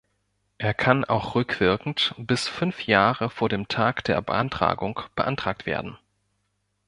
Er kann auch rückwirkend, bis fünf Jahre vor dem Tag der Beantragung, beantragt werden.